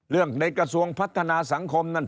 เรื่องในกระทรวงพัฒนาสังคมนั้น